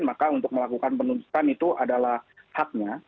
maka untuk melakukan penuntutan itu adalah haknya